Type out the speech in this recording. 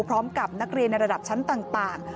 พร้อมกับนักเรียนในระดับชั้นต่าง